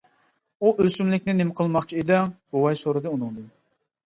—ئۇ ئۆسۈملۈكنى نېمە قىلماقچى ئىدىڭ؟ بوۋاي سورىدى ئۇنىڭدىن.